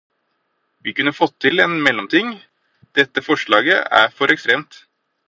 Vi kunne fått til en mellomting, dette forslaget er for ekstremt.